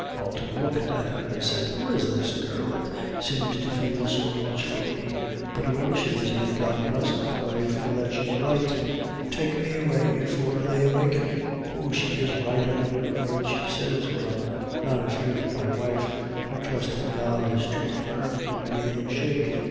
Dalton looked at her, and said: "Who is this girl that seems to feel so much for me? but whoever she is, may God bless her, for I feel that she's right. Take me away before they waken! oh, she is right in every word she says, for I am not afeard of my wife her trust in God is too firm for anything to shake.